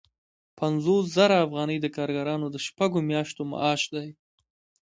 پنځوس زره افغانۍ د کارګرانو د شپږو میاشتو معاش دی